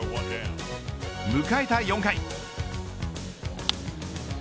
迎えた４回。